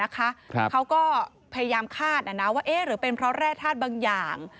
เขาก็พยายามคาดว่าหรือเป็นเพราะแร่ธาตุบางอย่าง